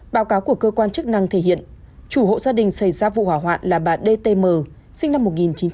báo cáo của cơ quan chức năng thể hiện chủ hộ gia đình xảy ra vụ hỏa hoạn là bà đê tê mờ sinh năm một nghìn chín trăm bốn mươi tám